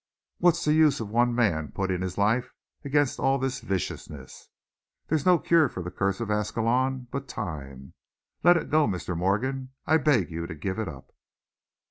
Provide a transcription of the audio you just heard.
"What's the use of one man putting his life against all this viciousness? There's no cure for the curse of Ascalon but time. Let it go, Mr. Morgan I beg you to give it up."